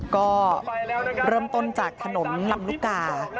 ก็เริ่มต้นจากถนนลำลูกกา